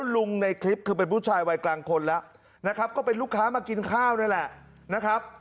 ในคลิปคือเป็นผู้ชายวัยกลางคนแล้วนะครับก็เป็นลูกค้ามากินข้าวนั่นแหละนะครับ